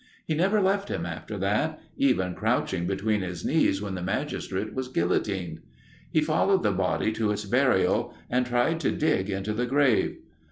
He never left him after that, even crouching between his knees when the magistrate was guillotined. He followed the body to its burial and tried to dig into the grave.